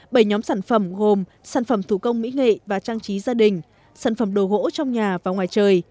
bảy nhóm sản phẩm gồm sản phẩm thủ công mỹ nghệ và trang trí gia đình sản phẩm đồ gỗ trong nhà và ngoài trời